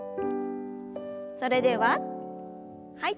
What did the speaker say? それでははい。